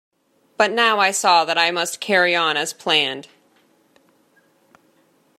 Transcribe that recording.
But now I saw that I must carry on as planned.